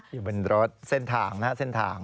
อยู่บนรถเส้นทางนะฮะเส้นทาง